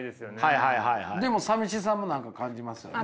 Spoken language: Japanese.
でもさみしさも何か感じますよね。